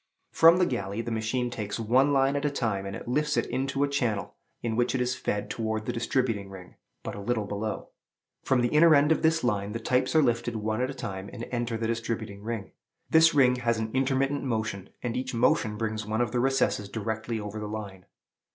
From the galley, the machine takes one line at a time, and lifts it into a channel, in which it is fed towards the distributing ring, but a little below. From the inner end of this line the types are lifted one at a time, and enter the distributing ring. This ring has an intermittent motion, and each motion brings one of the recesses directly over the line.